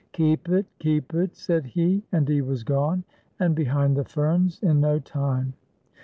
" Keep it, keep it," said he ; and he was gone and behind the ferns in no time.